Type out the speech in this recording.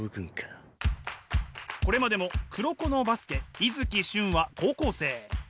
これまでも「黒子のバスケ」伊月俊は高校生。